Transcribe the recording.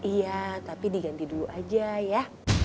iya tapi diganti dulu aja ya